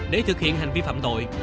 để thực hiện hành vi phạm tội